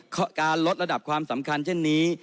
การลดระดับความสำคัญเช่นนี้